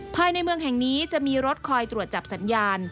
ภายในเมืองแห่งนี้จะมีรถคอยตรวจจับสัญญาณ